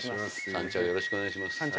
三茶をよろしくお願いします。